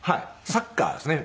サッカーですね。